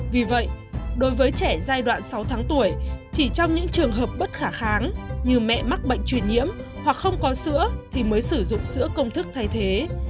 vì vậy đối với trẻ giai đoạn sáu tháng tuổi chỉ trong những trường hợp bất khả kháng như mẹ mắc bệnh truyền nhiễm hoặc không có sữa thì mới sử dụng sữa công thức thay thế